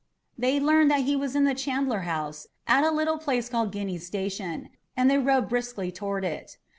They learned that he was in the Chandler House at a little place called Guiney's Station, and they rode briskly toward it.